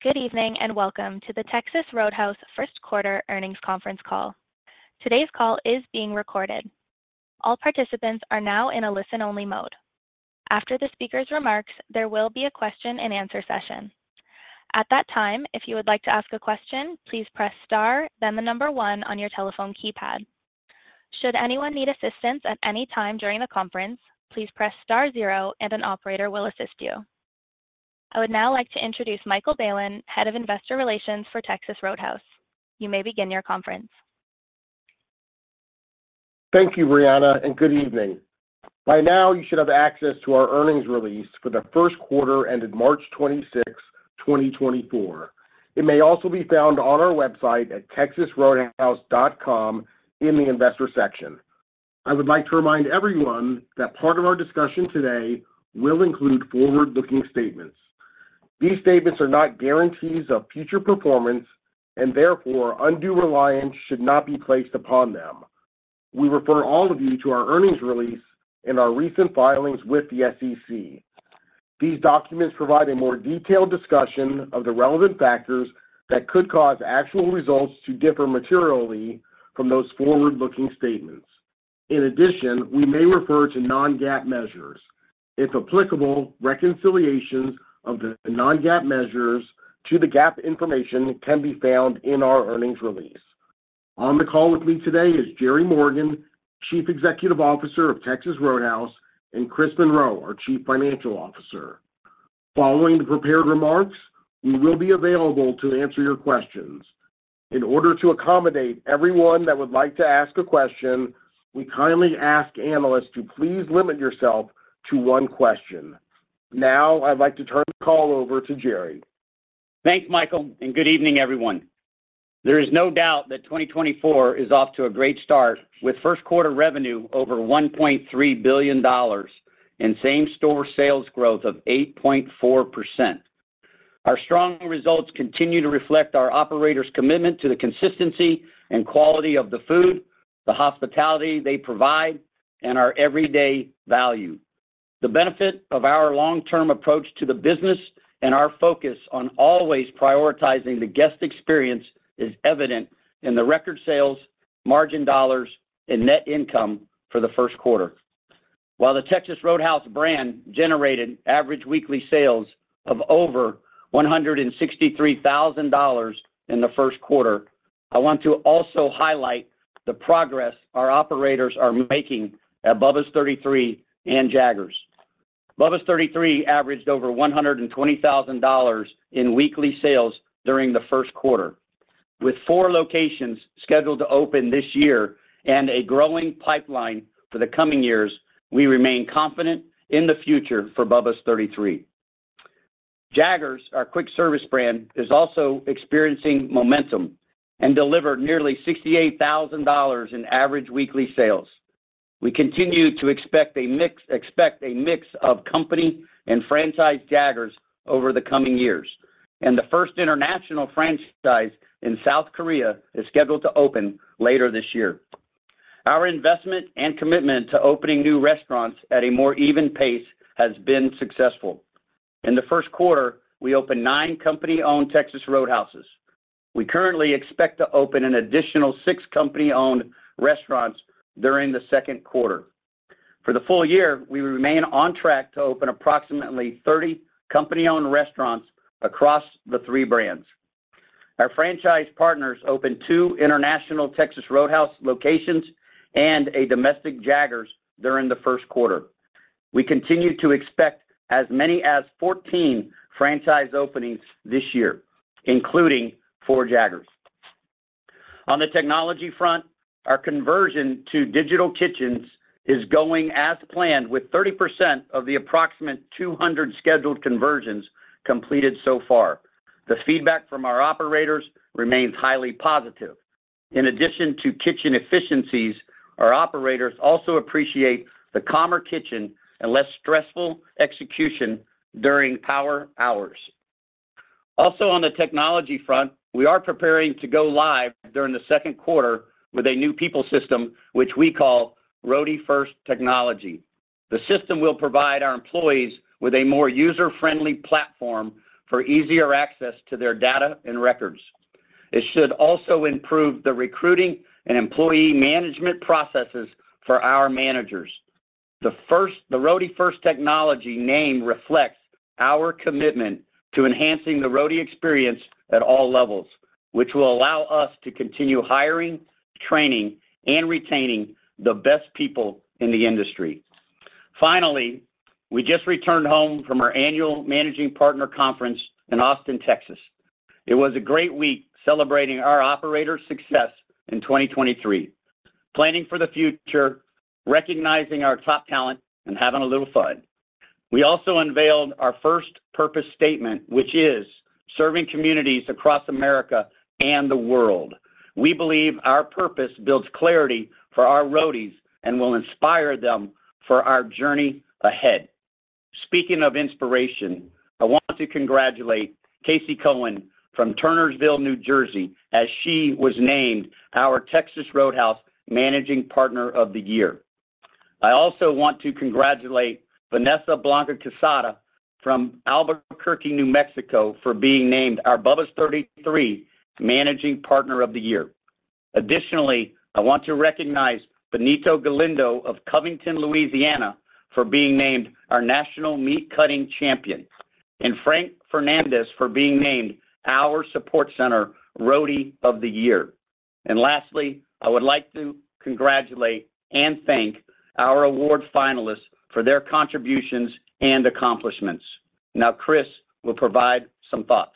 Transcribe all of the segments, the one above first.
Good evening and welcome to the Texas Roadhouse Q1 Earnings Conference call. Today's call is being recorded. All participants are now in a listen-only mode. After the speaker's remarks, there will be a question-and-answer session. At that time, if you would like to ask a question, please press star then the number one on your telephone keypad. Should anyone need assistance at any time during the conference, please press star zero and an operator will assist you. I would now like to introduce Michael Bailen, Head of Investor Relations for Texas Roadhouse. You may begin your conference. Thank you, Brianna, and good evening. By now, you should have access to our earnings release for the Q1 ended March 26, 2024. It may also be found on our website at texasroadhouse.com in the investor section. I would like to remind everyone that part of our discussion today will include forward-looking statements. These statements are not guarantees of future performance, and therefore undue reliance should not be placed upon them. We refer all of you to our earnings release and our recent filings with the SEC. These documents provide a more detailed discussion of the relevant factors that could cause actual results to differ materially from those forward-looking statements. In addition, we may refer to non-GAAP measures. If applicable, reconciliations of the non-GAAP measures to the GAAP information can be found in our earnings release. On the call with me today is Jerry Morgan, Chief Executive Officer of Texas Roadhouse, and Chris Monroe, our Chief Financial Officer. Following the prepared remarks, we will be available to answer your questions. In order to accommodate everyone that would like to ask a question, we kindly ask analysts to please limit yourself to one question. Now I'd like to turn the call over to Jerry. Thanks, Michael, and good evening, everyone. There is no doubt that 2024 is off to a great start with Q1 revenue over $1.3 billion and same-store sales growth of 8.4%. Our strong results continue to reflect our operator's commitment to the consistency and quality of the food, the hospitality they provide, and our everyday value. The benefit of our long-term approach to the business and our focus on always prioritizing the guest experience is evident in the record sales, margin dollars, and net income for the Q1. While the Texas Roadhouse brand generated average weekly sales of over $163,000 in the Q1, I want to also highlight the progress our operators are making at Bubba's 33 and Jaggers. Bubba's 33 averaged over $120,000 in weekly sales during the Q1. With four locations scheduled to open this year and a growing pipeline for the coming years, we remain confident in the future for Bubba's 33. Jaggers, our quick-service brand, is also experiencing momentum and delivered nearly $68,000 in average weekly sales. We continue to expect a mix of company and franchise Jaggers over the coming years, and the first international franchise in South Korea is scheduled to open later this year. Our investment and commitment to opening new restaurants at a more even pace has been successful. In the Q1, we opened nine company-owned Texas Roadhouses. We currently expect to open an additional six company-owned restaurants during the Q2. For the full year, we remain on track to open approximately 30 company-owned restaurants across the three brands. Our franchise partners opened two international Texas Roadhouse locations and a domestic Jaggers during the Q1. We continue to expect as many as 14 franchise openings this year, including four Jaggers. On the technology front, our conversion to Digital Kitchens is going as planned, with 30% of the approximate 200 scheduled conversions completed so far. The feedback from our operators remains highly positive. In addition to kitchen efficiencies, our operators also appreciate the calmer kitchen and less stressful execution during power hours. Also, on the technology front, we are preparing to go live during the Q2 with a new people system, which we call Roady First Technology. The system will provide our employees with a more user-friendly platform for easier access to their data and records. It should also improve the recruiting and employee management processes for our managers. The Roady First Technology name reflects our commitment to enhancing the Roady experience at all levels, which will allow us to continue hiring, training, and retaining the best people in the industry. Finally, we just returned home from our annual Managing Partner Conference in Austin, Texas. It was a great week celebrating our operator's success in 2023, planning for the future, recognizing our top talent, and having a little fun. We also unveiled our first purpose statement, which is serving communities across America and the world. We believe our purpose builds clarity for our Roadies and will inspire them for our journey ahead. Speaking of inspiration, I want to congratulate Casey Cohen from Turnersville, New Jersey, as she was named our Texas Roadhouse Managing Partner of the Year. I also want to congratulate Vanessa Blanca Quesada from Albuquerque, New Mexico, for being named our Bubba's 33 Managing Partner of the Year. Additionally, I want to recognize Benito Galindo of Covington, Louisiana, for being named our National Meat Cutting Champion, and Frank Fernandez for being named our Support Center Roady of the Year. And lastly, I would like to congratulate and thank our award finalists for their contributions and accomplishments. Now, Chris will provide some thoughts.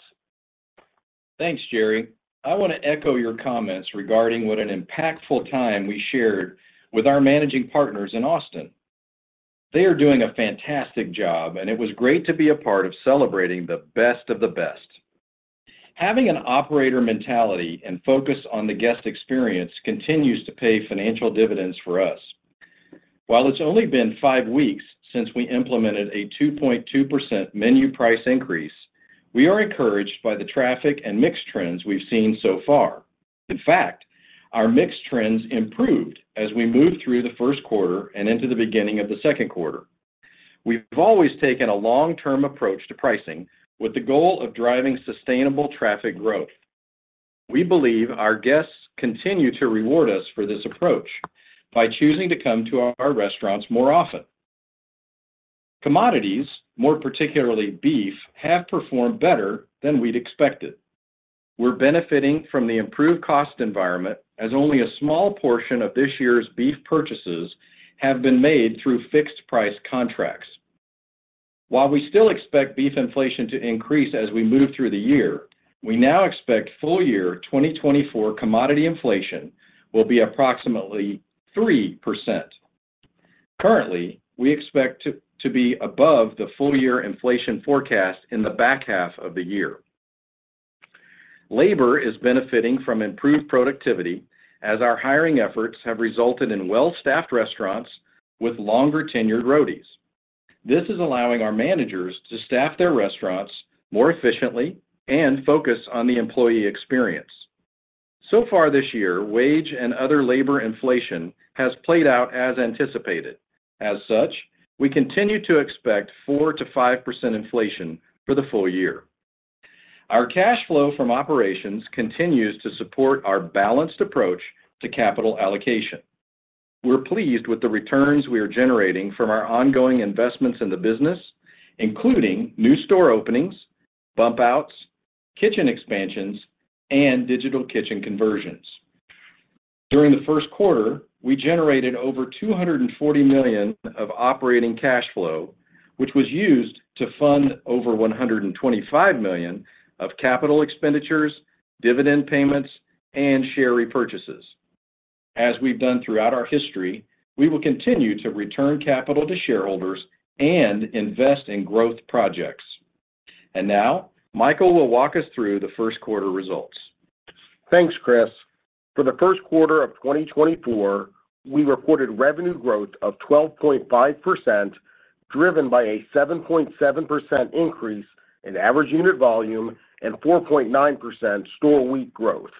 Thanks, Jerry. I want to echo your comments regarding what an impactful time we shared with our managing partners in Austin. They are doing a fantastic job, and it was great to be a part of celebrating the best of the best. Having an operator mentality and focus on the guest experience continues to pay financial dividends for us. While it's only been five weeks since we implemented a 2.2% menu price increase, we are encouraged by the traffic and mixed trends we've seen so far. In fact, our mixed trends improved as we moved through the Q1 and into the beginning of the Q2. We've always taken a long-term approach to pricing with the goal of driving sustainable traffic growth. We believe our guests continue to reward us for this approach by choosing to come to our restaurants more often. Commodities, more particularly beef, have performed better than we'd expected. We're benefiting from the improved cost environment as only a small portion of this year's beef purchases have been made through fixed-price contracts. While we still expect beef inflation to increase as we move through the year, we now expect full-year 2024 commodity inflation will be approximately 3%. Currently, we expect to be above the full-year inflation forecast in the back half of the year. Labor is benefiting from improved productivity as our hiring efforts have resulted in well-staffed restaurants with longer-tenured roadies. This is allowing our managers to staff their restaurants more efficiently and focus on the employee experience. So far this year, wage and other labor inflation has played out as anticipated. As such, we continue to expect 4%-5% inflation for the full year. Our cash flow from operations continues to support our balanced approach to capital allocation. We're pleased with the returns we are generating from our ongoing investments in the business, including new store openings, bump-outs, kitchen expansions, and digital kitchen conversions. During the Q1, we generated over $240 million of operating cash flow, which was used to fund over $125 million of capital expenditures, dividend payments, and share repurchases. As we've done throughout our history, we will continue to return capital to shareholders and invest in growth projects. Now, Michael will walk us through the Q1 results. Thanks, Chris. For the Q1 of 2024, we reported revenue growth of 12.5% driven by a 7.7% increase in average unit volume and 4.9% store week growth.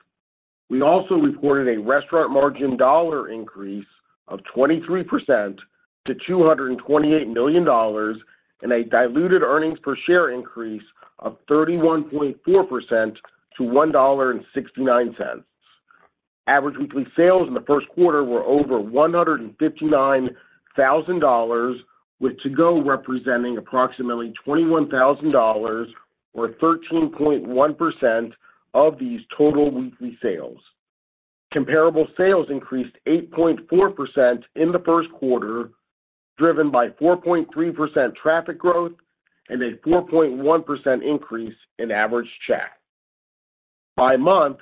We also reported a restaurant margin dollar increase of 23% to $228 million and a diluted earnings per share increase of 31.4% to $1.69. Average weekly sales in the Q1 were over $159,000, with to-go representing approximately $21,000 or 13.1% of these total weekly sales. Comparable sales increased 8.4% in the Q1, driven by 4.3% traffic growth and a 4.1% increase in average check. By month,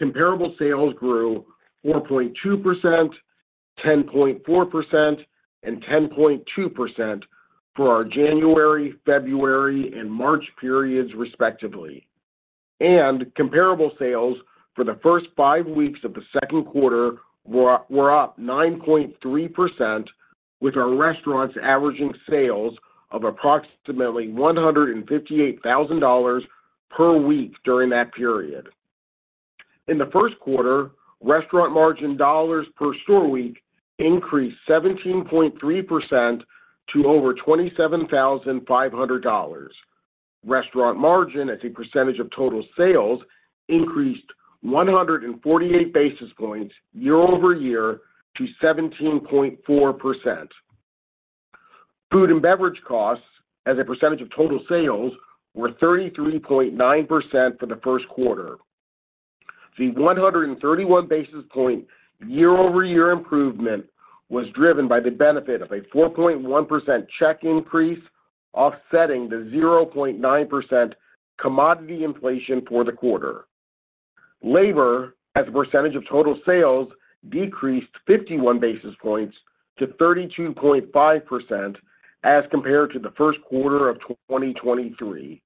comparable sales grew 4.2%, 10.4%, and 10.2% for our January, February, and March periods, respectively. Comparable sales for the first five weeks of the Q2 were up 9.3%, with our restaurants averaging sales of approximately $158,000 per week during that period. In the Q1, restaurant margin dollars per store week increased 17.3% to over $27,500. Restaurant margin, as a percentage of total sales, increased 148 basis points year-over-year to 17.4%. Food and beverage costs, as a percentage of total sales, were 33.9% for the Q1. The 131 basis points year-over-year improvement was driven by the benefit of a 4.1% check increase, offsetting the 0.9% commodity inflation for the quarter. Labor, as a percentage of total sales, decreased 51 basis points to 32.5% as compared to the Q1 of 2023.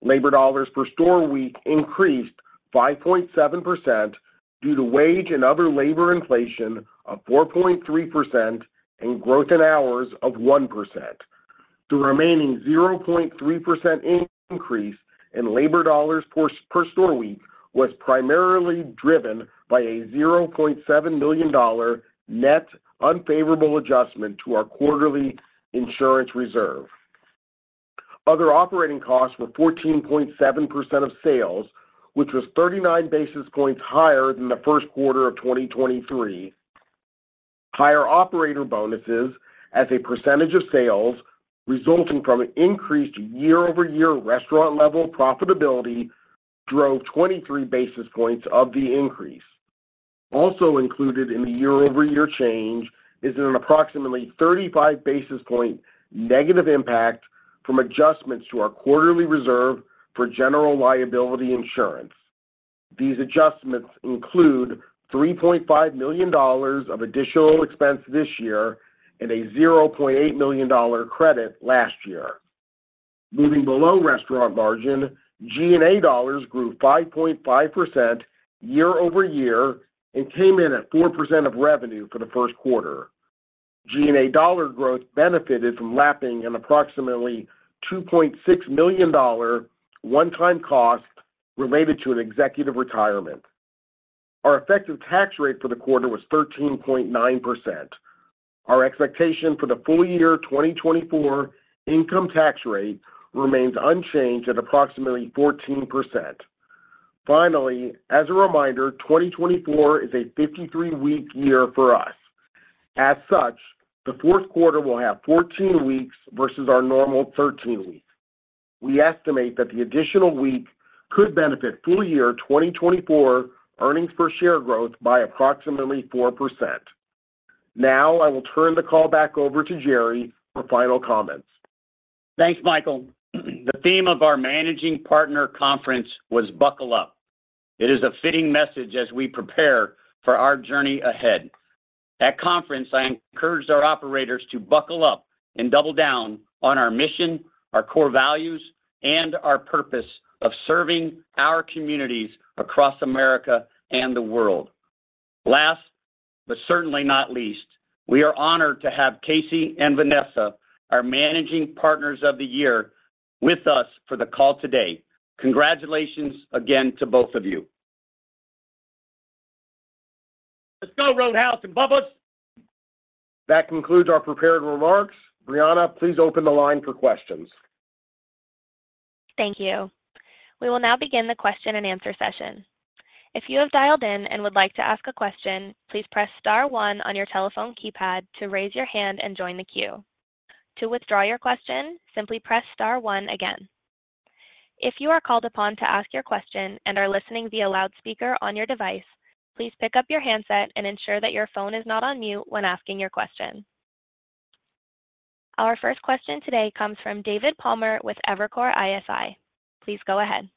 Labor dollars per store week increased 5.7% due to wage and other labor inflation of 4.3% and growth in hours of 1%. The remaining 0.3% increase in labor dollars per store week was primarily driven by a $0.7 million net unfavorable adjustment to our quarterly insurance reserve. Other operating costs were 14.7% of sales, which was 39 basis points higher than the Q1 of 2023. Higher operator bonuses, as a percentage of sales resulting from an increased year-over-year restaurant-level profitability, drove 23 basis points of the increase. Also included in the year-over-year change is an approximately 35 basis points negative impact from adjustments to our quarterly reserve for general liability insurance. These adjustments include $3.5 million of additional expense this year and a $0.8 million credit last year. Moving below restaurant margin, G&A dollars grew 5.5% year-over-year and came in at 4% of revenue for the Q1. G&A dollar growth benefited from lapping an approximately $2.6 million one-time cost related to an executive retirement. Our effective tax rate for the quarter was 13.9%. Our expectation for the full-year 2024 income tax rate remains unchanged at approximately 14%. Finally, as a reminder, 2024 is a 53-week year for us. As such, the Q4 will have 14 weeks versus our normal 13 weeks. We estimate that the additional week could benefit full-year 2024 earnings per share growth by approximately 4%. Now, I will turn the call back over to Jerry for final comments. Thanks, Michael. The theme of our Managing Partner Conference was "Buckle Up." It is a fitting message as we prepare for our journey ahead. At conference, I encouraged our operators to buckle up and double down on our mission, our core values, and our purpose of serving our communities across America and the world. Last but certainly not least, we are honored to have Casey and Vanessa, our Managing Partners of the Year, with us for the call today. Congratulations again to both of you. Let's go, Roadhouse and Bubba's. That concludes our prepared remarks. Brianna, please open the line for questions. Thank you. We will now begin the question and answer session. If you have dialed in and would like to ask a question, please press star one on your telephone keypad to raise your hand and join the queue. To withdraw your question, simply press star one again. If you are called upon to ask your question and are listening via loudspeaker on your device, please pick up your handset and ensure that your phone is not on mute when asking your question. Our first question today comes from David Palmer with Evercore ISI. Please go ahead.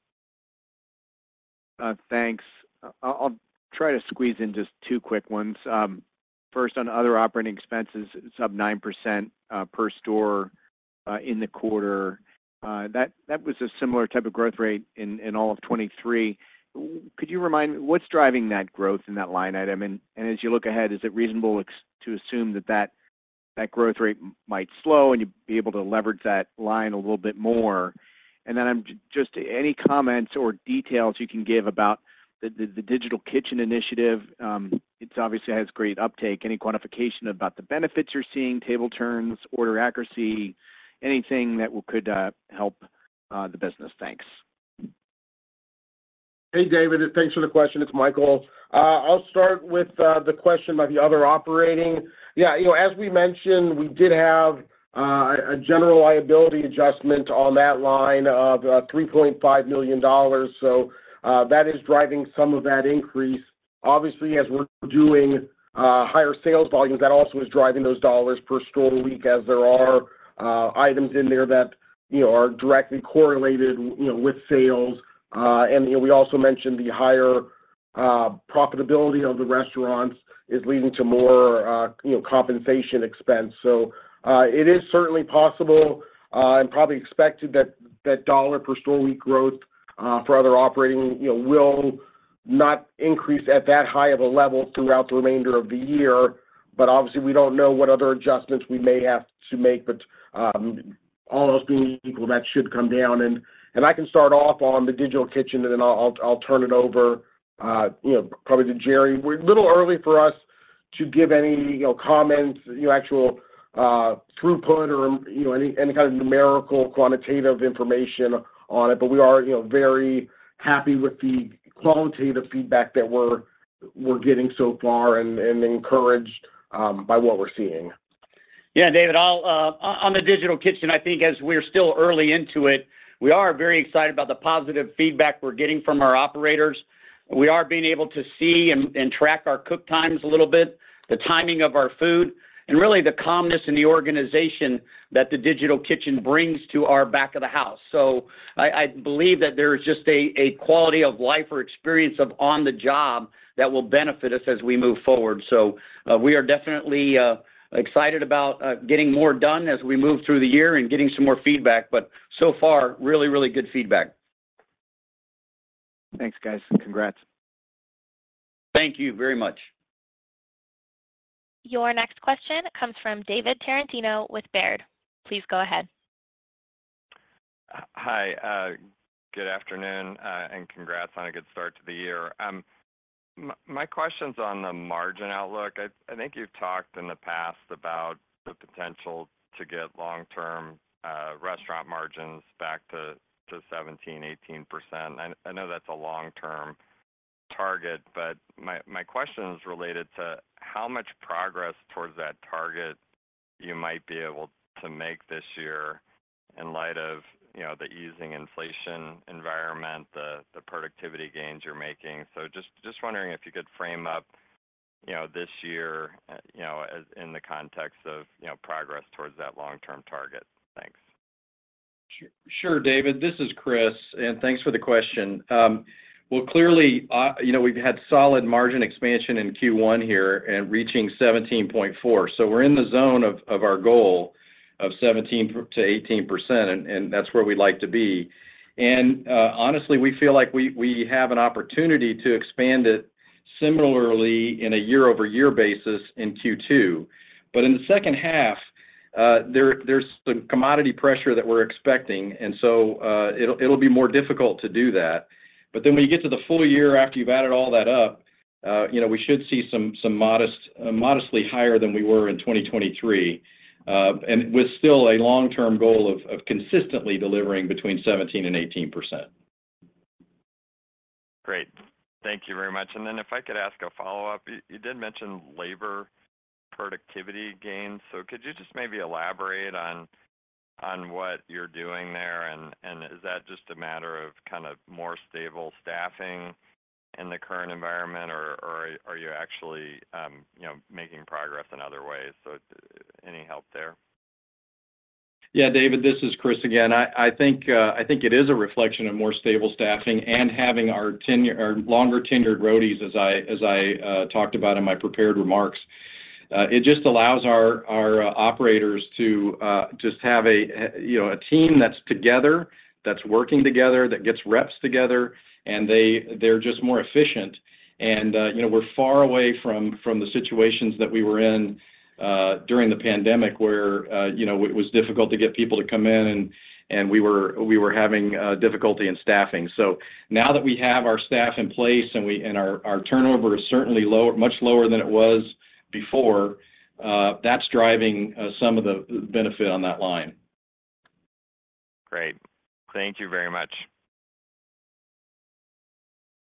Thanks. I'll try to squeeze in just two quick ones. First, on other operating expenses, sub 9% per store in the quarter. That was a similar type of growth rate in all of 2023. Could you remind me what's driving that growth in that line item? And as you look ahead, is it reasonable to assume that that growth rate might slow and you'd be able to leverage that line a little bit more? And then just any comments or details you can give about the Digital Kitchen Initiative. It obviously has great uptake. Any quantification about the benefits you're seeing, table turns, order accuracy, anything that could help the business? Thanks. Hey, David. Thanks for the question. It's Michael. I'll start with the question on the other operating. Yeah, as we mentioned, we did have a general liability adjustment on that line of $3.5 million. So that is driving some of that increase. Obviously, as we're doing higher sales volumes, that also is driving those dollars per store week as there are items in there that are directly correlated with sales. And we also mentioned the higher profitability of the restaurants is leading to more compensation expense. So it is certainly possible and probably expected that dollar per store week growth for other operating will not increase at that high of a level throughout the remainder of the year. But obviously, we don't know what other adjustments we may have to make. But all else being equal, that should come down. I can start off on the Digital Kitchen, and then I'll turn it over probably to Jerry. A little early for us to give any comments, actual throughput, or any kind of numerical quantitative information on it. We are very happy with the qualitative feedback that we're getting so far and encouraged by what we're seeing. Yeah, David. On the Digital Kitchen, I think as we're still early into it, we are very excited about the positive feedback we're getting from our operators. We are being able to see and track our cook times a little bit, the timing of our food, and really the calmness and the organization that the Digital Kitchen brings to our back of the house. So I believe that there is just a quality of life or experience of on the job that will benefit us as we move forward. So we are definitely excited about getting more done as we move through the year and getting some more feedback. But so far, really, really good feedback. Thanks, guys. Congrats. Thank you very much. Your next question comes from David Tarantino with Baird. Please go ahead. Hi. Good afternoon and congrats on a good start to the year. My question's on the margin outlook. I think you've talked in the past about the potential to get long-term restaurant margins back to 17%-18%. I know that's a long-term target, but my question is related to how much progress towards that target you might be able to make this year in light of the easing inflation environment, the productivity gains you're making. So just wondering if you could frame up this year in the context of progress towards that long-term target. Thanks. Sure, David. This is Chris, and thanks for the question. Well, clearly, we've had solid margin expansion in Q1 here and reaching 17.4%. So we're in the zone of our goal of 17%-18%, and that's where we'd like to be. And honestly, we feel like we have an opportunity to expand it similarly in a year-over-year basis in Q2. But in the H2, there's some commodity pressure that we're expecting, and so it'll be more difficult to do that. But then when you get to the full year after you've added all that up, we should see some modestly higher than we were in 2023 with still a long-term goal of consistently delivering between 17% and 18%. Great. Thank you very much. And then if I could ask a follow-up, you did mention labor productivity gains. So could you just maybe elaborate on what you're doing there? And is that just a matter of kind of more stable staffing in the current environment, or are you actually making progress in other ways? So any help there? Yeah, David, this is Chris again. I think it is a reflection of more stable staffing and having our longer-tenured roadies, as I talked about in my prepared remarks. It just allows our operators to just have a team that's together, that's working together, that gets reps together, and they're just more efficient. And we're far away from the situations that we were in during the pandemic where it was difficult to get people to come in, and we were having difficulty in staffing. So now that we have our staff in place and our turnover is certainly much lower than it was before, that's driving some of the benefit on that line. Great. Thank you very much.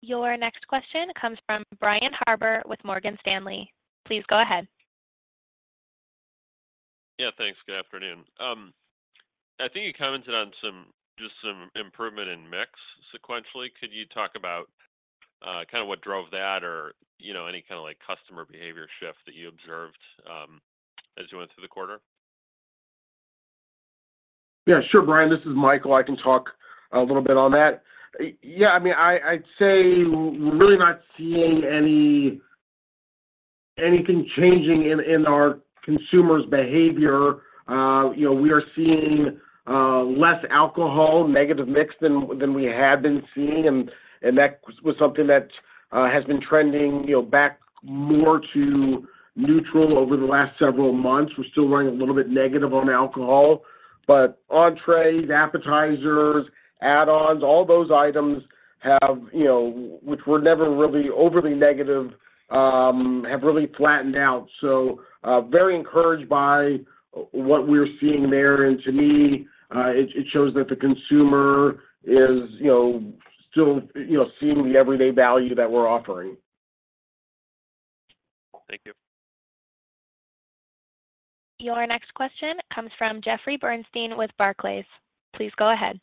Your next question comes from Brian Harbor with Morgan Stanley. Please go ahead. Yeah, thanks. Good afternoon. I think you commented on just some improvement in mix sequentially. Could you talk about kind of what drove that or any kind of customer behavior shift that you observed as you went through the quarter? Yeah, sure, Brian. This is Michael. I can talk a little bit on that. Yeah, I mean, I'd say we're really not seeing anything changing in our consumers' behavior. We are seeing less alcohol, negative mix, than we had been seeing. And that was something that has been trending back more to neutral over the last several months. We're still running a little bit negative on alcohol. But entries, appetizers, add-ons, all those items, which were never really overly negative, have really flattened out. So very encouraged by what we're seeing there. And to me, it shows that the consumer is still seeing the everyday value that we're offering. Thank you. Your next question comes from Jeffrey Bernstein with Barclays. Please go ahead.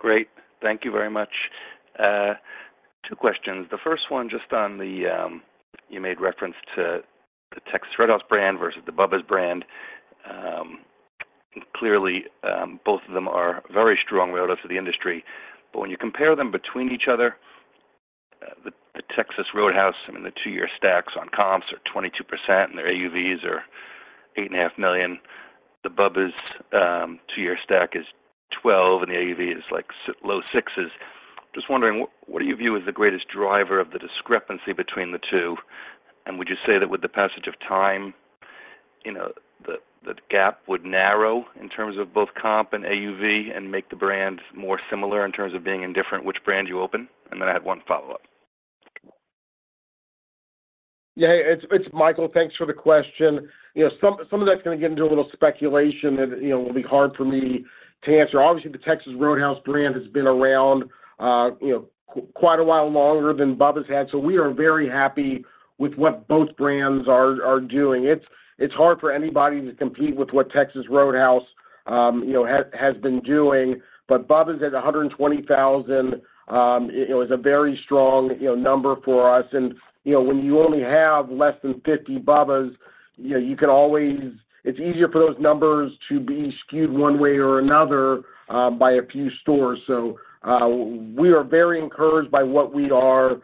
Great. Thank you very much. Two questions. The first one just on the you made reference to the Texas Roadhouse brand versus the Bubba's brand. Clearly, both of them are very strong roadhouse for the industry. But when you compare them between each other, the Texas Roadhouse, I mean, the two-year stacks on comps are 22%, and their AUVs are $8.5 million. The Bubba's two-year stack is 12%, and the AUV is low $6 million. Just wondering, what do you view as the greatest driver of the discrepancy between the two? And would you say that with the passage of time, the gap would narrow in terms of both comp and AUV and make the brand more similar in terms of being indifferent, which brand you open? And then I had one follow-up. Yeah, it's Michael. Thanks for the question. Some of that's going to get into a little speculation that will be hard for me to answer. Obviously, the Texas Roadhouse brand has been around quite a while longer than Bubba's has. So we are very happy with what both brands are doing. It's hard for anybody to compete with what Texas Roadhouse has been doing. But Bubba's at $120,000 is a very strong number for us. And when you only have less than 50 Bubba's, it's easier for those numbers to be skewed one way or another by a few stores. So we are very encouraged by what we are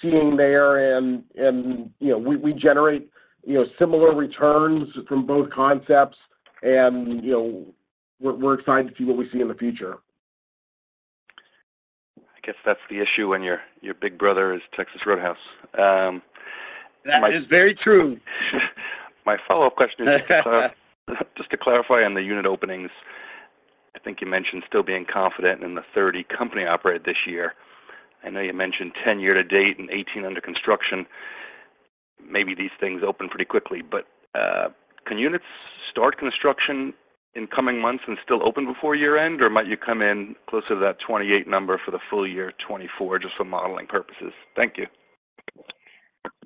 seeing there. And we generate similar returns from both concepts, and we're excited to see what we see in the future. I guess that's the issue when your big brother is Texas Roadhouse. That is very true. My follow-up question is just to clarify on the unit openings. I think you mentioned still being confident in the 30 company operated this year. I know you mentioned 10 year-to-date and 18 under construction. Maybe these things open pretty quickly. But can units start construction in coming months and still open before year-end, or might you come in closer to that 28 number for the full year 2024 just for modeling purposes? Thank you.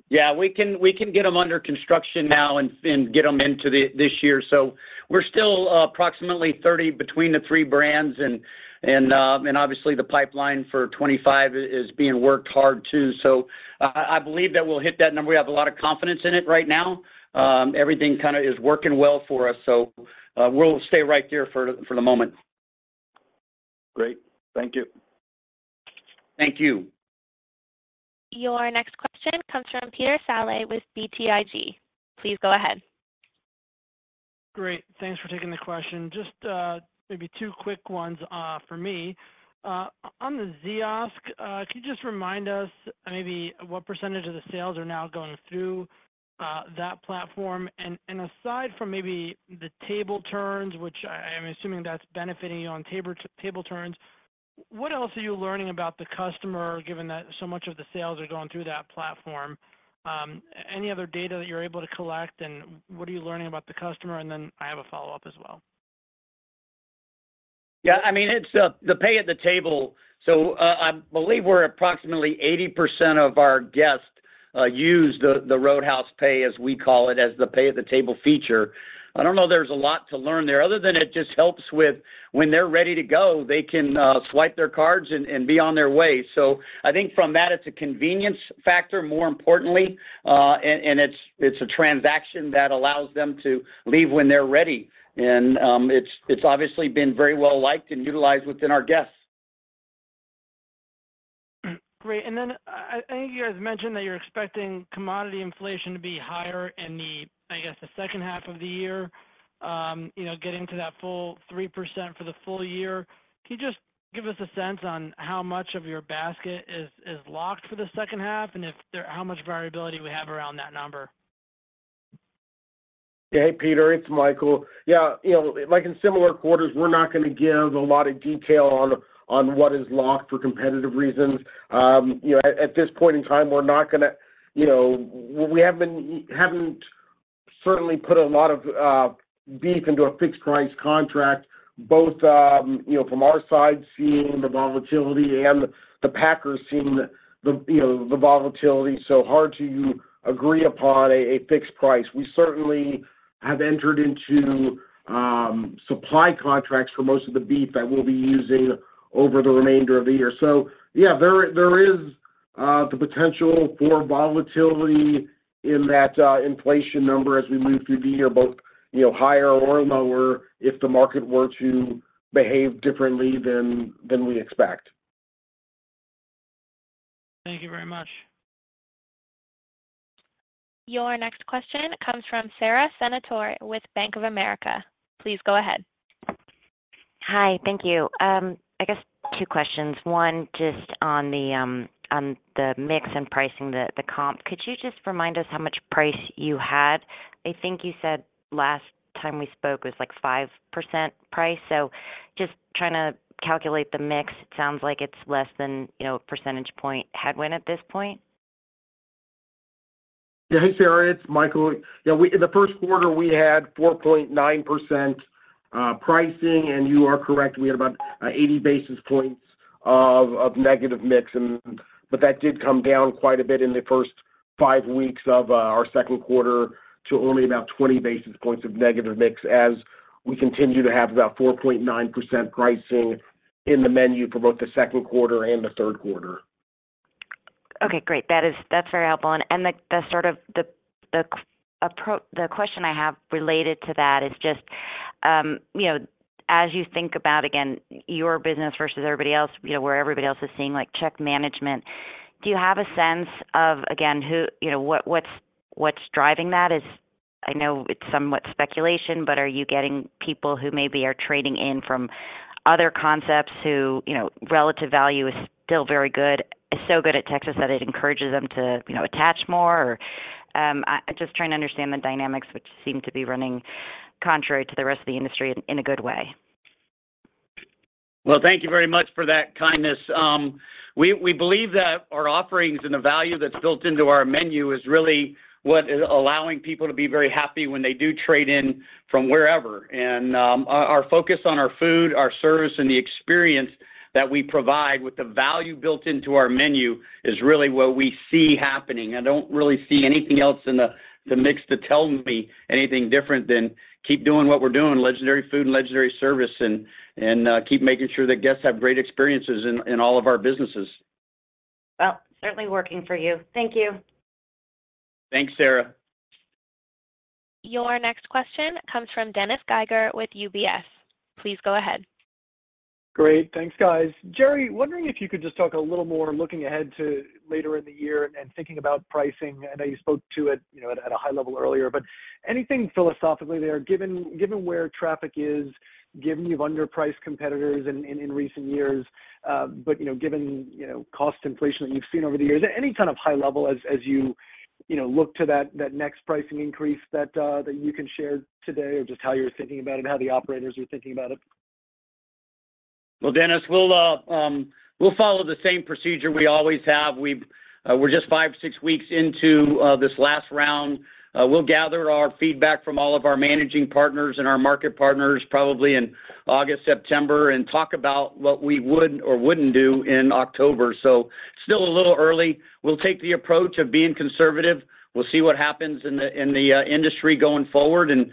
Yeah, we can get them under construction now and get them into this year. So we're still approximately 30 between the three brands. And obviously, the pipeline for 2025 is being worked hard too. So I believe that we'll hit that number. We have a lot of confidence in it right now. Everything kind of is working well for us. So we'll stay right there for the moment. Great. Thank you. Thank you. Your next question comes from Peter Saleh with BTIG. Please go ahead. Great. Thanks for taking the question. Just maybe two quick ones for me. On the Ziosk, can you just remind us maybe what percentage of the sales are now going through that platform? And aside from maybe the table turns, which I'm assuming that's benefiting you on table turns, what else are you learning about the customer given that so much of the sales are going through that platform? Any other data that you're able to collect, and what are you learning about the customer? And then I have a follow-up as well. Yeah, I mean, it's the pay at the table. So I believe we're approximately 80% of our guests use the Roadhouse Pay, as we call it, as the pay at the table feature. I don't know if there's a lot to learn there other than it just helps with when they're ready to go, they can swipe their cards and be on their way. So I think from that, it's a convenience factor, more importantly. And it's a transaction that allows them to leave when they're ready. And it's obviously been very well-liked and utilized within our guests. Great. And then I think you guys mentioned that you're expecting commodity inflation to be higher in, I guess, the H2 of the year, getting to that full 3% for the full year. Can you just give us a sense on how much of your basket is locked for the H2 and how much variability we have around that number? Yeah, hey, Peter. It's Michael. Yeah, in similar quarters, we're not going to give a lot of detail on what is locked for competitive reasons. At this point in time, we're not going to we haven't certainly put a lot of beef into a fixed-price contract, both from our side seeing the volatility and the packers seeing the volatility. So hard to agree upon a fixed price. We certainly have entered into supply contracts for most of the beef that we'll be using over the remainder of the year. So yeah, there is the potential for volatility in that inflation number as we move through the year, both higher or lower if the market were to behave differently than we expect. Thank you very much. Your next question comes from Sara Senatore with Bank of America. Please go ahead. Hi. Thank you. I guess two questions. One just on the mix and pricing, the comp. Could you just remind us how much price you had? I think you said last time we spoke was like 5% price. So just trying to calculate the mix, it sounds like it's less than a percentage point headwind at this point. Yeah, hey, Sara. It's Michael. Yeah, in the Q1, we had 4.9% pricing. You are correct. We had about 80 basis points of negative mix. But that did come down quite a bit in the first five weeks of our Q2 to only about 20 basis points of negative mix as we continue to have about 4.9% pricing in the menu for both the Q2 and the Q3. Okay. Great. That's very helpful. And sort of the question I have related to that is just as you think about, again, your business versus everybody else, where everybody else is seeing check management, do you have a sense of, again, what's driving that? I know it's somewhat speculation, but are you getting people who maybe are trading in from other concepts whose relative value is still very good, so good at Texas that it encourages them to attach more? Or I'm just trying to understand the dynamics, which seem to be running contrary to the rest of the industry in a good way. Well, thank you very much for that kindness. We believe that our offerings and the value that's built into our menu is really what is allowing people to be very happy when they do trade in from wherever. And our focus on our food, our service, and the experience that we provide with the value built into our menu is really what we see happening. I don't really see anything else in the mix to tell me anything different than keep doing what we're doing, legendary food and legendary service, and keep making sure that guests have great experiences in all of our businesses. Well, certainly working for you. Thank you. Thanks, Sara. Your next question comes from Dennis Geiger with UBS. Please go ahead. Great. Thanks, guys. Jerry, wondering if you could just talk a little more looking ahead to later in the year and thinking about pricing. I know you spoke to it at a high level earlier, but anything philosophically there, given where traffic is, given you've underpriced competitors in recent years, but given cost inflation that you've seen over the years? Any kind of high level as you look to that next pricing increase that you can share today or just how you're thinking about it, how the operators are thinking about it? Well, Dennis, we'll follow the same procedure we always have. We're just five or six weeks into this last round. We'll gather our feedback from all of our managing partners and our market partners probably in August, September, and talk about what we would or wouldn't do in October. Still a little early. We'll take the approach of being conservative. We'll see what happens in the industry going forward. Then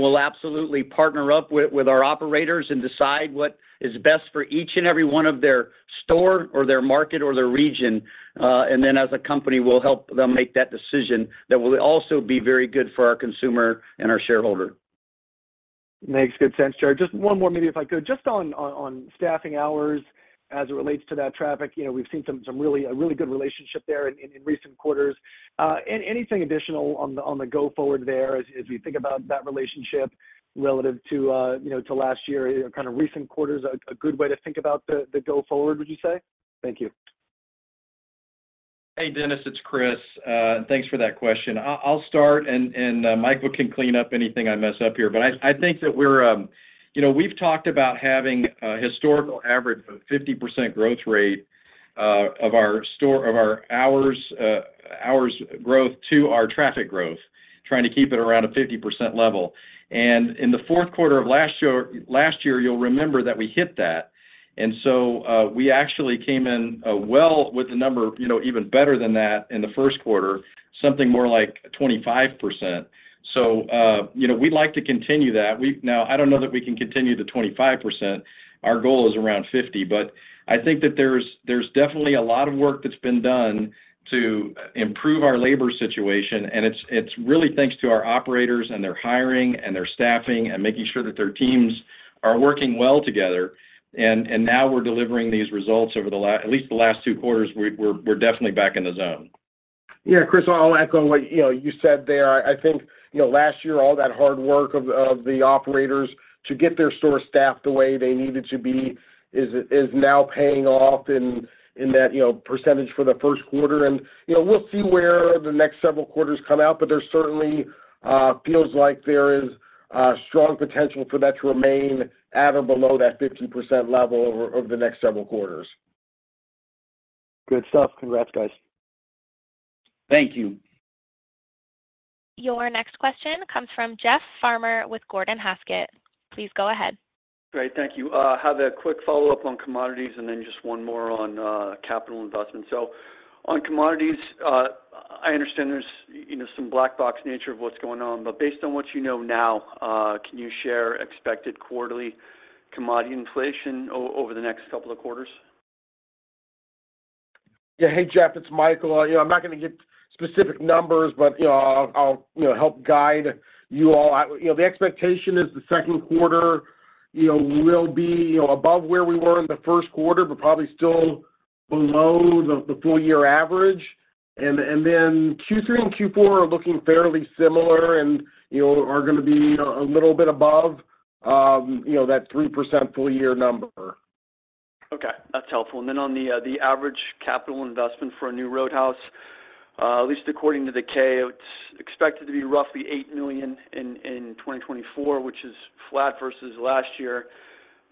we'll absolutely partner up with our operators and decide what is best for each and every one of their store or their market or their region. Then as a company, we'll help them make that decision that will also be very good for our consumer and our shareholder. Makes good sense, Jerry. Just one more, maybe if I could, just on staffing hours as it relates to that traffic. We've seen a really good relationship there in recent quarters. Anything additional on the go-forward there as we think about that relationship relative to last year or kind of recent quarters? A good way to think about the go-forward, would you say? Thank you. Hey, Dennis. It's Chris. Thanks for that question. I'll start, and Michael can clean up anything I mess up here. But I think that we've talked about having a historical average of a 50% growth rate of our hours growth to our traffic growth, trying to keep it around a 50% level. And in the Q4 of last year, you'll remember that we hit that. And so we actually came in well with the number, even better than that in the Q1, something more like 25%. So we'd like to continue that. Now, I don't know that we can continue to 25%. Our goal is around 50%. But I think that there's definitely a lot of work that's been done to improve our labor situation. And it's really thanks to our operators and their hiring and their staffing and making sure that their teams are working well together. Now we're delivering these results over the last at least the last two quarters, we're definitely back in the zone. Yeah, Chris, I'll echo what you said there. I think last year, all that hard work of the operators to get their store staffed the way they needed to be is now paying off in that percentage for the Q1. And we'll see where the next several quarters come out. But there certainly feels like there is strong potential for that to remain at or below that 50% level over the next several quarters. Good stuff. Congrats, guys. Thank you. Your next question comes from Jeff Farmer with Gordon Haskett. Please go ahead. Great. Thank you. I'll have a quick follow-up on commodities and then just one more on capital investments. So on commodities, I understand there's some black box nature of what's going on. But based on what you know now, can you share expected quarterly commodity inflation over the next couple of quarters? Yeah. Hey, Jeff. It's Michael. I'm not going to get specific numbers, but I'll help guide you all. The expectation is the Q2 will be above where we were in the Q1, but probably still below the full-year average. And then Q3 and Q4 are looking fairly similar and are going to be a little bit above that 3% full-year number. Okay. That's helpful. And then on the average capital investment for a new Roadhouse, at least according to the K, it's expected to be roughly $8 million in 2024, which is flat versus last year.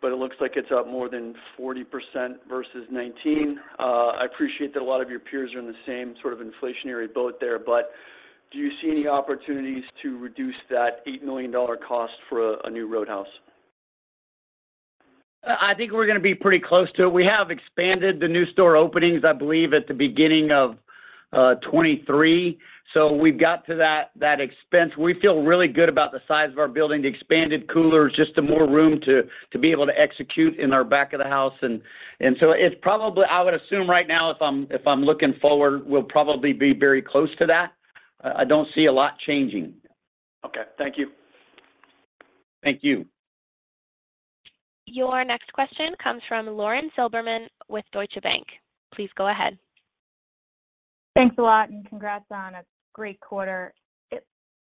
But it looks like it's up more than 40% versus 2019. I appreciate that a lot of your peers are in the same sort of inflationary boat there. But do you see any opportunities to reduce that $8 million cost for a new Roadhouse? I think we're going to be pretty close to it. We have expanded the new store openings, I believe, at the beginning of 2023. So we've got to that expense. We feel really good about the size of our building, the expanded coolers, just the more room to be able to execute in our back of the house. And so I would assume right now, if I'm looking forward, we'll probably be very close to that. I don't see a lot changing. Okay. Thank you. Thank you. Your next question comes from Lauren Silberman with Deutsche Bank. Please go ahead. Thanks a lot, and congrats on a great quarter.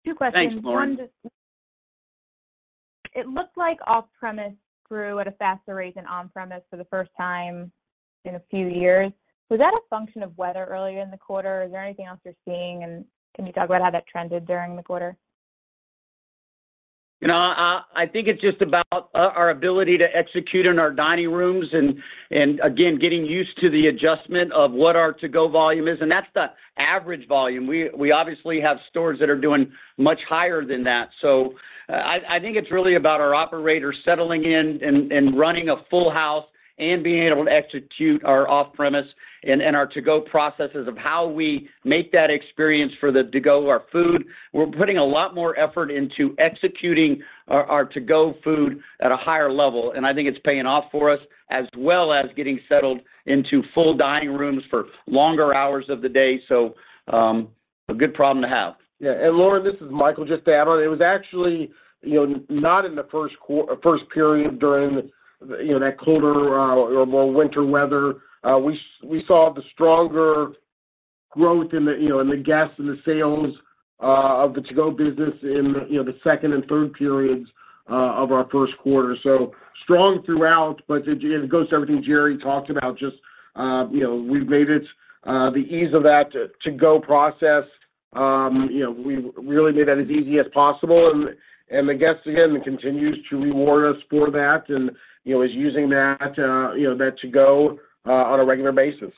Two questions. Thanks, Lauren. It looked like off-premise grew at a faster rate than on-premise for the first time in a few years. Was that a function of weather earlier in the quarter? Is there anything else you're seeing? Can you talk about how that trended during the quarter? I think it's just about our ability to execute in our dining rooms and, again, getting used to the adjustment of what our to-go volume is. That's the average volume. We obviously have stores that are doing much higher than that. I think it's really about our operators settling in and running a full house and being able to execute our off-premise and our to-go processes of how we make that experience for the to-go of our food. We're putting a lot more effort into executing our to-go food at a higher level. I think it's paying off for us as well as getting settled into full dining rooms for longer hours of the day. A good problem to have. Yeah. And Lauren, this is Michael just adding on. It was actually not in the first period during that colder or more winter weather. We saw the stronger growth in the guests and the sales of the to-go business in the second and third periods of our Q1. So strong throughout. But it goes to everything Jerry talked about, just we've made the ease of that to-go process we really made that as easy as possible. And the guests, again, continues to reward us for that and is using that to-go on a regular basis.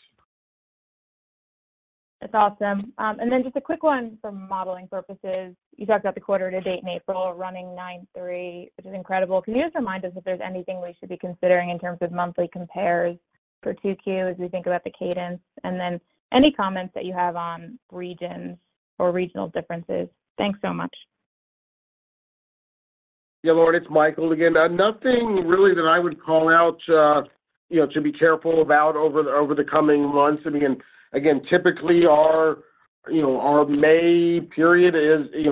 It's awesome. Then just a quick one for modeling purposes. You talked about the quarter to date in April running 9.3, which is incredible. Can you just remind us if there's anything we should be considering in terms of monthly compares for 2Q as we think about the cadence? And then any comments that you have on regions or regional differences? Thanks so much. Yeah, Lauren, it's Michael again. Nothing really that I would call out to be careful about over the coming months. I mean, again, typically, our May period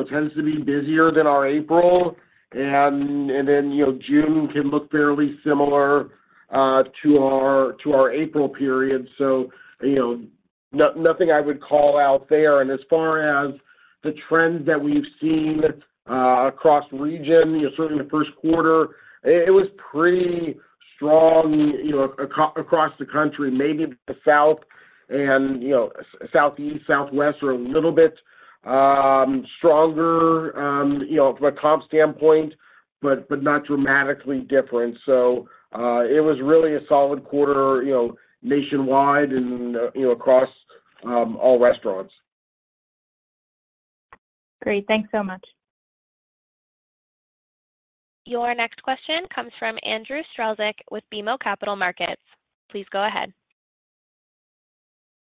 tends to be busier than our April. And then June can look fairly similar to our April period. So nothing I would call out there. And as far as the trends that we've seen across region, certainly the Q1, it was pretty strong across the country, maybe the south and southeast, southwest are a little bit stronger from a comp standpoint, but not dramatically different. So it was really a solid quarter nationwide and across all restaurants. Great. Thanks so much. Your next question comes from Andrew Strelzik with BMO Capital Markets. Please go ahead.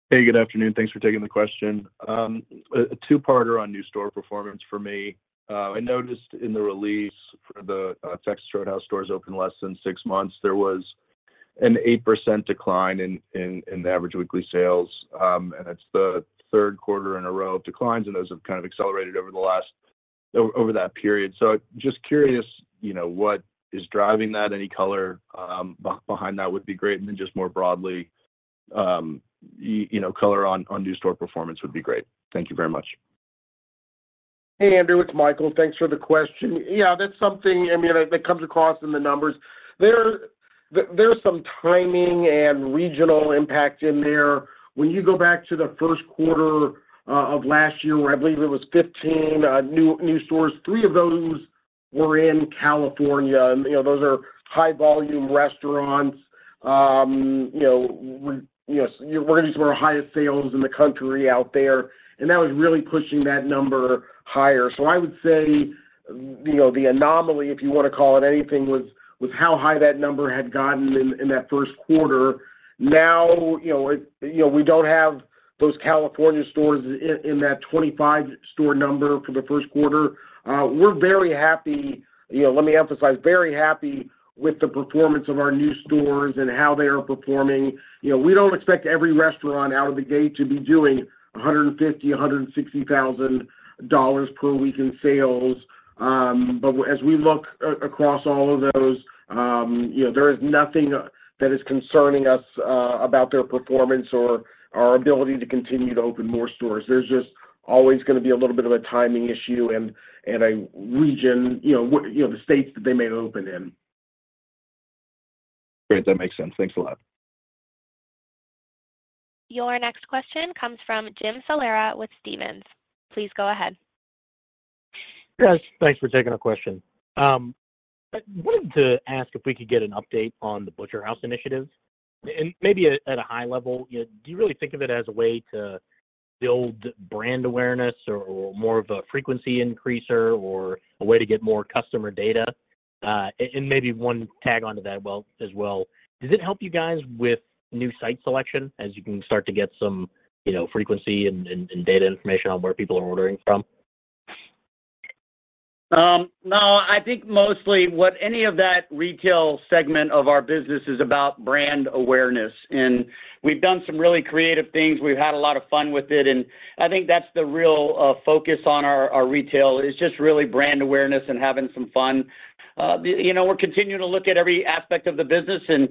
Hey, good afternoon. Thanks for taking the question. A two-parter on new store performance for me. I noticed in the release for the Texas Roadhouse stores open less than six months, there was an 8% decline in the average weekly sales. It's the Q3 in a row of declines. Those have kind of accelerated over that period. Just curious, what is driving that? Any color behind that would be great. Then just more broadly, color on new store performance would be great. Thank you very much. Hey, Andrew. It's Michael. Thanks for the question. Yeah, that's something, I mean, that comes across in the numbers. There's some timing and regional impact in there. When you go back to the Q1 of last year, where I believe it was 15 new stores, three of those were in California. Those are high-volume restaurants. We're going to see one of the highest sales in the country out there. That was really pushing that number higher. So I would say the anomaly, if you want to call it anything, was how high that number had gotten in that Q1. Now, we don't have those California stores in that 25-store number for the Q1. We're very happy, let me emphasize, very happy with the performance of our new stores and how they are performing. We don't expect every restaurant out of the gate to be doing $150,000-$160,000 per week in sales. But as we look across all of those, there is nothing that is concerning us about their performance or our ability to continue to open more stores. There's just always going to be a little bit of a timing issue and a region, the states that they may open in. Great. That makes sense. Thanks a lot. Your next question comes from Jim Salera with Stephens. Please go ahead. Yes. Thanks for taking the question. I wanted to ask if we could get an update on the Butcher Shop Initiative. And maybe at a high level, do you really think of it as a way to build brand awareness or more of a frequency increaser or a way to get more customer data? And maybe one tag onto that as well. Does it help you guys with new site selection as you can start to get some frequency and data information on where people are ordering from? No. I think mostly any of that retail segment of our business is about brand awareness. We've done some really creative things. We've had a lot of fun with it. I think that's the real focus on our retail, is just really brand awareness and having some fun. We're continuing to look at every aspect of the business and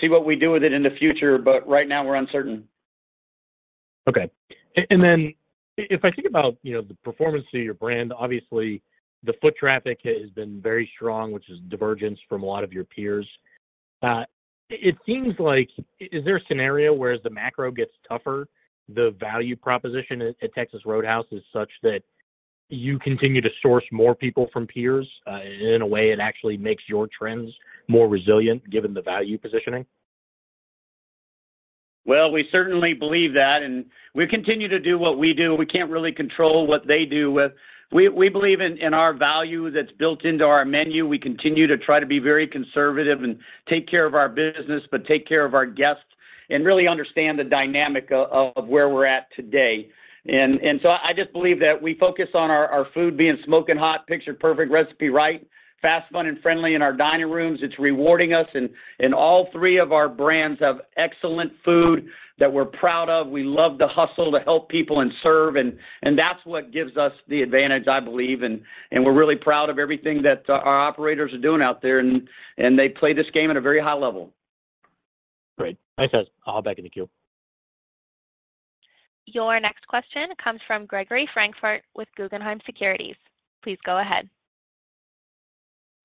see what we do with it in the future. Right now, we're uncertain. Okay. And then if I think about the performance of your brand, obviously, the foot traffic has been very strong, which is divergence from a lot of your peers. It seems like is there a scenario where as the macro gets tougher, the value proposition at Texas Roadhouse is such that you continue to source more people from peers? In a way, it actually makes your trends more resilient given the value positioning? Well, we certainly believe that. And we continue to do what we do. We can't really control what they do with. We believe in our value that's built into our menu. We continue to try to be very conservative and take care of our business, but take care of our guests and really understand the dynamic of where we're at today. And so I just believe that we focus on our food being smoking hot, picture-perfect, recipe right, fast, fun, and friendly in our dining rooms. It's rewarding us. And all three of our brands have excellent food that we're proud of. We love the hustle to help people and serve. And that's what gives us the advantage, I believe. And we're really proud of everything that our operators are doing out there. And they play this game at a very high level. Great. Nice ask. I'll hop back into queue. Your next question comes from Gregory Francfort with Guggenheim Securities. Please go ahead.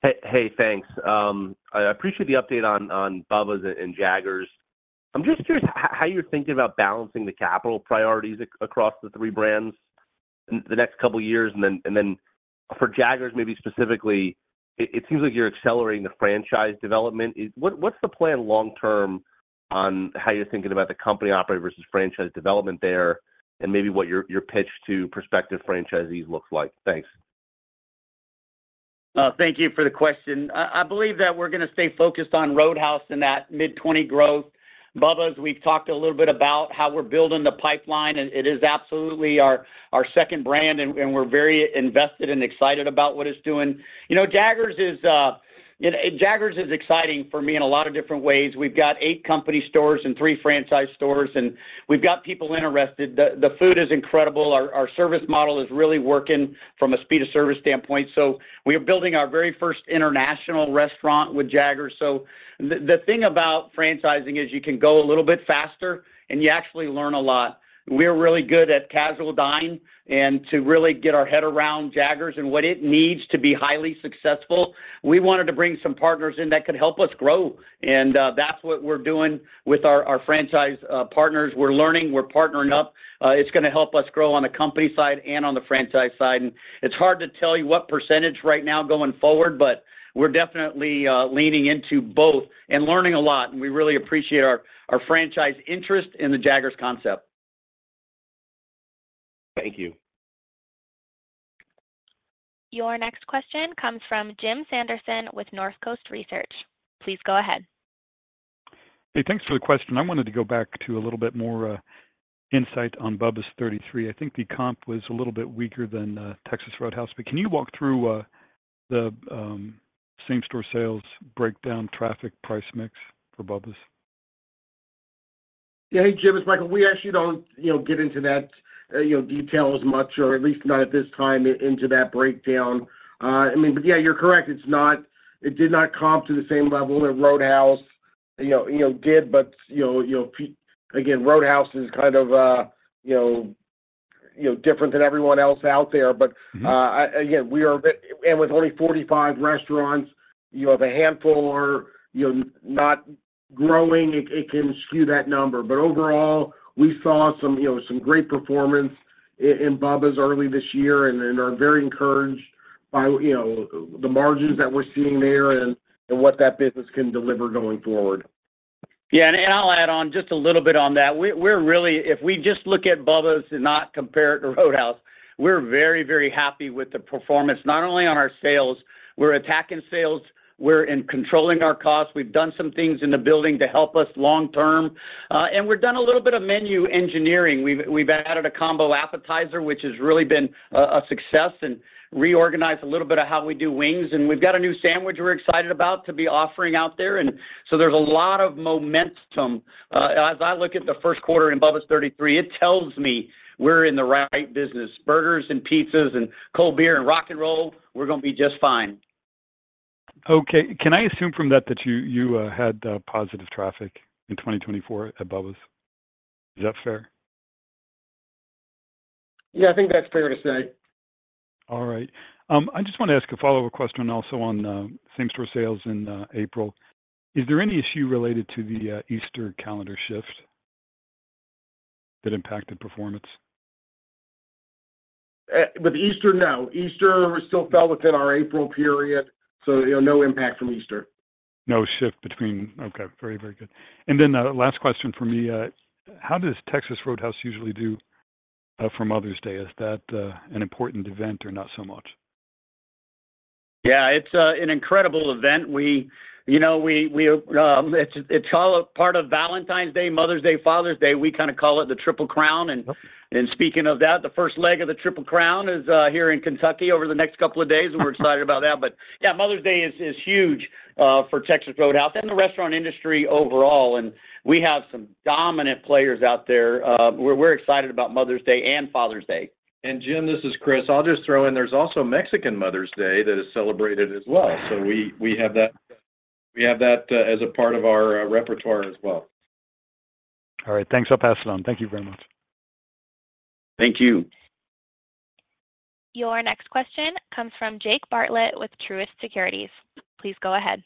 Hey, thanks. I appreciate the update on Bubba's and Jaggers. I'm just curious how you're thinking about balancing the capital priorities across the three brands the next couple of years. And then for Jaggers maybe specifically, it seems like you're accelerating the franchise development. What's the plan long-term on how you're thinking about the company operator versus franchise development there and maybe what your pitch to prospective franchisees looks like? Thanks. Thank you for the question. I believe that we're going to stay focused on Roadhouse and that mid-20 growth. Bubba's, we've talked a little bit about how we're building the pipeline. It is absolutely our second brand. We're very invested and excited about what it's doing. Jaggers is exciting for me in a lot of different ways. We've got eight company stores and three franchise stores. We've got people interested. The food is incredible. Our service model is really working from a speed of service standpoint. We are building our very first international restaurant with Jaggers. The thing about franchising is you can go a little bit faster, and you actually learn a lot. We're really good at casual dining and to really get our head around Jaggers and what it needs to be highly successful. We wanted to bring some partners in that could help us grow. And that's what we're doing with our franchise partners. We're learning. We're partnering up. It's going to help us grow on the company side and on the franchise side. And it's hard to tell you what percentage right now going forward, but we're definitely leaning into both and learning a lot. And we really appreciate our franchise interest in the Jaggers concept. Thank you. Your next question comes from Jim Sanderson with Northcoast Research. Please go ahead. Hey, thanks for the question. I wanted to go back to a little bit more insight on Bubba's 33. I think the comp was a little bit weaker than Texas Roadhouse. But can you walk through the same-store sales breakdown, traffic, price mix for Bubba's? Yeah. Hey, Jim. It's Michael. We actually don't get into that detail as much, or at least not at this time, into that breakdown. I mean, but yeah, you're correct. It did not comp to the same level that Roadhouse did. But again, Roadhouse is kind of different than everyone else out there. But again, we are and with only 45 restaurants, you have a handful are not growing. It can skew that number. But overall, we saw some great performance in Bubba's early this year and are very encouraged by the margins that we're seeing there and what that business can deliver going forward. Yeah. I'll add on just a little bit on that. If we just look at Bubba's and not compare it to Roadhouse, we're very, very happy with the performance, not only on our sales. We're attacking sales. We're in controlling our costs. We've done some things in the building to help us long-term. We've done a little bit of menu engineering. We've added a combo appetizer, which has really been a success, and reorganized a little bit of how we do wings. We've got a new sandwich we're excited about to be offering out there. So there's a lot of momentum. As I look at the Q1 in Bubba's 33, it tells me we're in the right business. Burgers and pizzas and cold beer and rock and roll, we're going to be just fine. Okay. Can I assume from that that you had positive traffic in 2024 at Bubba's? Is that fair? Yeah. I think that's fair to say. All right. I just want to ask a follow-up question also on same-store sales in April. Is there any issue related to the Easter calendar shift that impacted performance? With Easter, no. Easter still fell within our April period. So no impact from Easter. No shift between, okay. Very, very good. And then the last question for me, how does Texas Roadhouse usually do from Mother's Day? Is that an important event or not so much? Yeah. It's an incredible event. It's part of Valentine's Day, Mother's Day, Father's Day. We kind of call it the Triple Crown. And speaking of that, the first leg of the Triple Crown is here in Kentucky over the next couple of days. And we're excited about that. But yeah, Mother's Day is huge for Texas Roadhouse and the restaurant industry overall. And we have some dominant players out there. We're excited about Mother's Day and Father's Day. Jim, this is Chris. I'll just throw in, there's also Mexican Mother's Day that is celebrated as well. We have that as a part of our repertoire as well. All right. Thanks. I'll pass it on. Thank you very much. Thank you. Your next question comes from Jake Bartlett with Truist Securities. Please go ahead.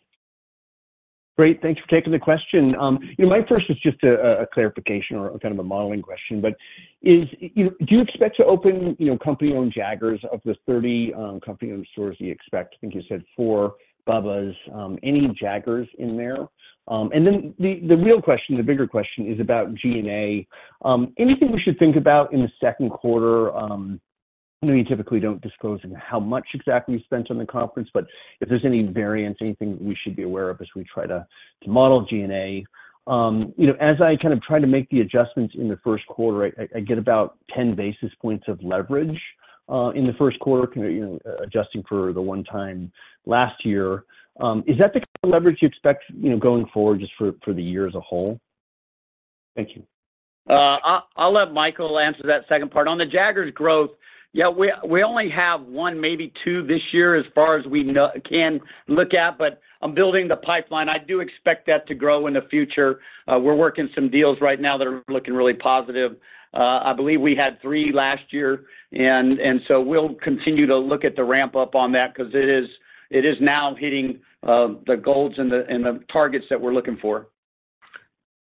Great. Thanks for taking the question. My first is just a clarification or kind of a modeling question. But do you expect to open company-owned Jaggers of the 30 company-owned stores that you expect? I think you said 4 Bubba's. Any Jaggers in there? And then the real question, the bigger question, is about G&A. Anything we should think about in the Q2? I know you typically don't disclose how much exactly you spent on the conference, but if there's any variance, anything that we should be aware of as we try to model G&A. As I kind of try to make the adjustments in the Q1, I get about 10 basis points of leverage in the Q1, adjusting for the one time last year. Is that the kind of leverage you expect going forward just for the year as a whole? Thank you. I'll let Michael answer that second part. On the Jaggers growth, yeah, we only have one, maybe two this year as far as we can look at. But I'm building the pipeline. I do expect that to grow in the future. We're working some deals right now that are looking really positive. I believe we had three last year. And so we'll continue to look at the ramp-up on that because it is now hitting the goals and the targets that we're looking for.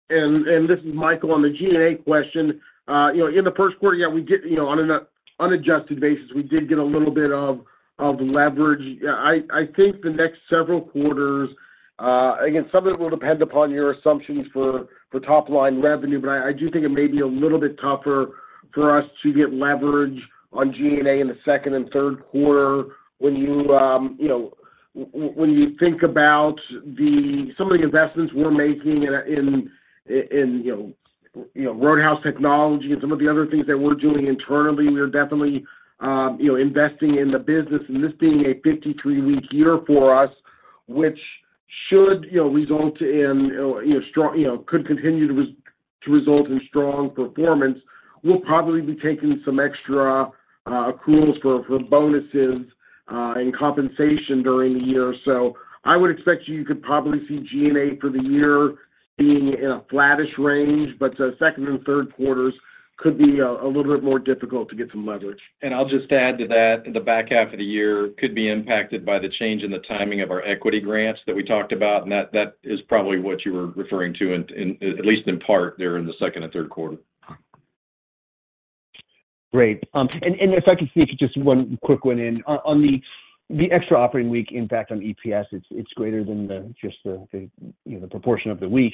This is Michael on the G&A question. In the Q1, yeah, on an unadjusted basis, we did get a little bit of leverage. I think the next several quarters again, some of it will depend upon your assumptions for top-line revenue, but I do think it may be a little bit tougher for us to get leverage on G&A in the second and Q3 when you think about some of the investments we're making in Roadhouse Technology and some of the other things that we're doing internally. We are definitely investing in the business. And this being a 53-week year for us, which should result in could continue to result in strong performance, we'll probably be taking some extra accruals for bonuses and compensation during the year. I would expect you could probably see G&A for the year being in a flattish range, but the second and Q3 could be a little bit more difficult to get some leverage. I'll just add to that, the back half of the year could be impacted by the change in the timing of our equity grants that we talked about. That is probably what you were referring to, at least in part, there in the second and Q3. Great. And if I could speak just one quick one in. On the extra operating week impact on EPS, it's greater than just the proportion of the week.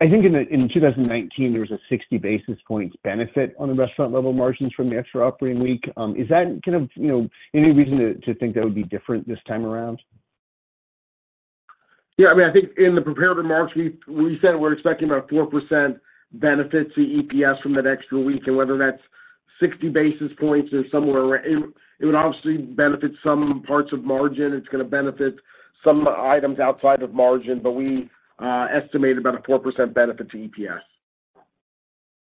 I think in 2019, there was a 60 basis points benefit on the restaurant-level margins from the extra operating week. Is that kind of any reason to think that would be different this time around? Yeah. I mean, I think in the preparatory remarks, we said we're expecting about 4% benefit to EPS from that extra week. And whether that's 60 basis points or somewhere around it would obviously benefit some parts of margin. It's going to benefit some items outside of margin. But we estimate about a 4% benefit to EPS.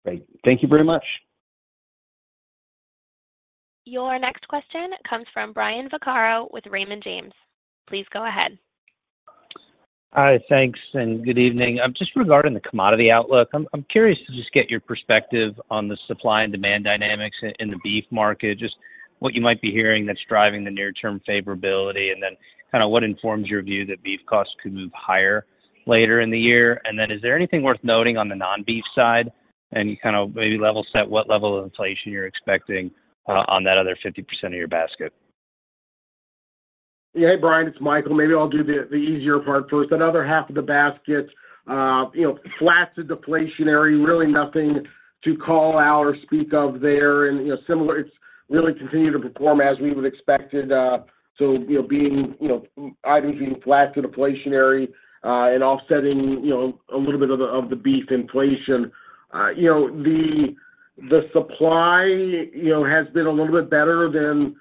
Great. Thank you very much. Your next question comes from Brian Vaccaro with Raymond James. Please go ahead. Hi. Thanks. And good evening. Just regarding the commodity outlook, I'm curious to just get your perspective on the supply and demand dynamics in the beef market, just what you might be hearing that's driving the near-term favorability, and then kind of what informs your view that beef costs could move higher later in the year. And then is there anything worth noting on the non-beef side and kind of maybe level set what level of inflation you're expecting on that other 50% of your basket? Yeah. Hey, Brian. It's Michael. Maybe I'll do the easier part first. That other half of the basket, flat to deflationary, really nothing to call out or speak of there. And similar, it's really continued to perform as we would expected. So items being flat to deflationary and offsetting a little bit of the beef inflation. The supply has been a little bit better than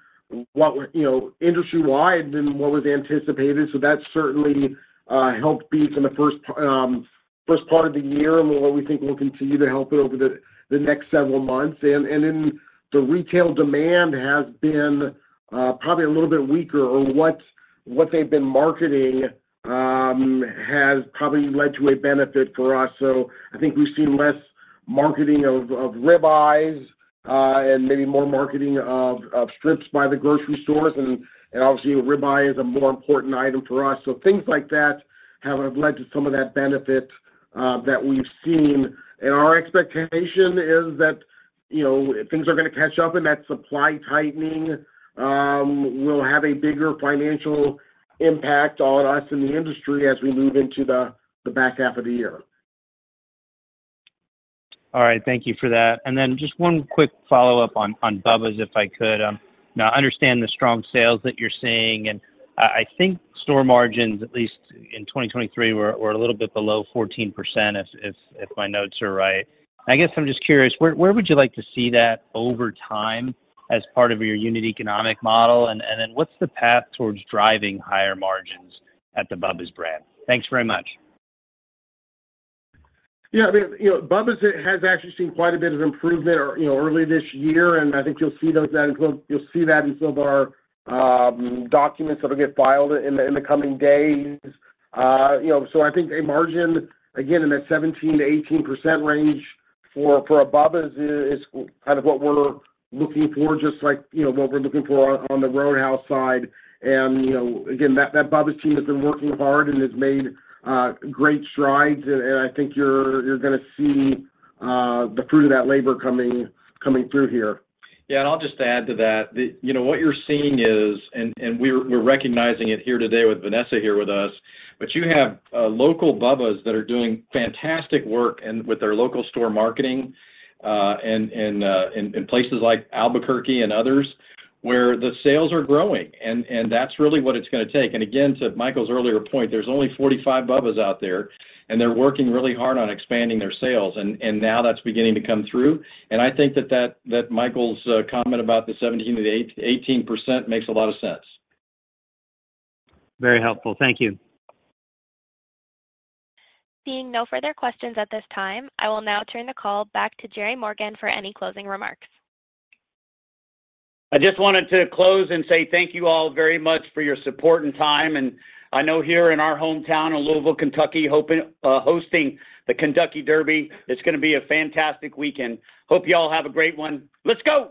industry-wide than what was anticipated. So that certainly helped beef in the first part of the year and what we think will continue to help it over the next several months. And then the retail demand has been probably a little bit weaker, or what they've been marketing has probably led to a benefit for us. So I think we've seen less marketing of ribeyes and maybe more marketing of strips by the grocery stores. Obviously, a ribeye is a more important item for us. Things like that have led to some of that benefit that we've seen. Our expectation is that things are going to catch up, and that supply tightening will have a bigger financial impact on us in the industry as we move into the back half of the year. All right. Thank you for that. And then just one quick follow-up on Bubba's, if I could. Now, I understand the strong sales that you're seeing. And I think store margins, at least in 2023, were a little bit below 14% if my notes are right. And I guess I'm just curious, where would you like to see that over time as part of your unit economic model? And then what's the path towards driving higher margins at the Bubba's brand? Thanks very much. Yeah. I mean, Bubba's has actually seen quite a bit of improvement early this year. And I think you'll see that in our documents that'll get filed in the coming days. So I think a margin, again, in that 17%-18% range for Bubba's is kind of what we're looking for, just like what we're looking for on the Roadhouse side. And again, that Bubba's team has been working hard and has made great strides. And I think you're going to see the fruit of that labor coming through here. Yeah. And I'll just add to that, what you're seeing is, and we're recognizing it here today with Vanessa here with us. But you have local Bubba's that are doing fantastic work with their local store marketing in places like Albuquerque and others where the sales are growing. And that's really what it's going to take. And again, to Michael's earlier point, there's only 45 Bubba's out there. And they're working really hard on expanding their sales. And now that's beginning to come through. And I think that Michael's comment about the 17%-18% makes a lot of sense. Very helpful. Thank you. Seeing no further questions at this time, I will now turn the call back to Jerry Morgan for any closing remarks. I just wanted to close and say thank you all very much for your support and time. I know here in our hometown of Louisville, Kentucky, hosting the Kentucky Derby, it's going to be a fantastic weekend. Hope you all have a great one. Let's go.